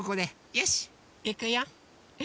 よしいくよ！